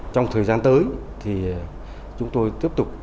trong thời gian tới thì chúng tôi tiếp tục